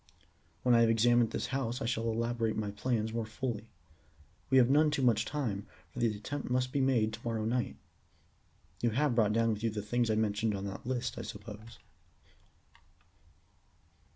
When I have examined this house I shall elaborate my plans more fully. We have none too much time, for the attempt must be made to morrow night. You have brought down with you the things I mentioned on that list, I suppose?"